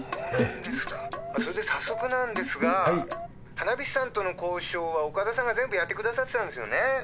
花火師さんとの交渉は岡田さんが全部やってくださってたんですよね。